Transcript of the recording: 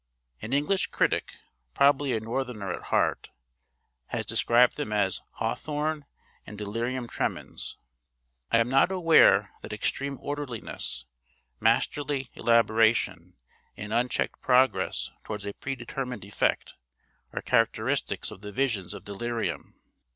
An English critic (probably a Northerner at heart) has described them as 'Hawthorne and delirium tremens.' I am not aware that extreme orderliness, masterly elaboration, and unchecked progress towards a predetermined effect are characteristics of the visions of delirium.